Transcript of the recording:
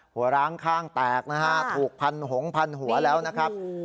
ร้างข้างแตกนะฮะถูกพันหงพันหัวแล้วนะครับ